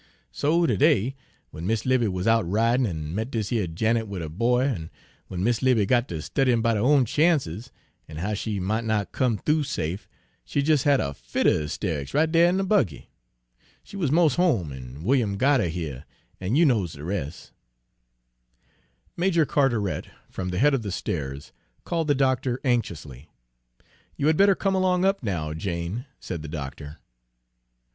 So ter day, w'en Mis' 'Livy wuz out ridin' an' met dis yer Janet wid her boy, an' w'en Mis' 'Livy got ter studyin' 'bout her own chances, an' how she mought not come thoo safe, she jes' had a fit er hysterics right dere in de buggy. She wuz mos' home, an' William got her here, an' you knows de res'." Major Carteret, from the head of the stairs, called the doctor anxiously. "You had better come along up now, Jane," said the doctor.